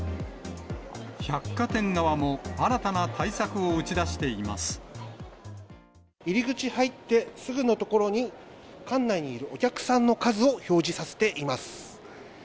百貨店側も、新たな対策を打ち出入り口入ってすぐの所に、館内にいるお客さんの数を表示させています。